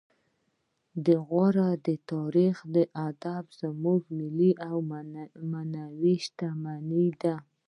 د غور تاریخ او ادب زموږ ملي او معنوي شتمني ده